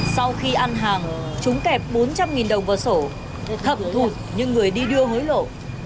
sau khi ăn hàng chúng kẹp bốn trăm linh đồng vào sổ thập thụt như người đi đưa hối lộ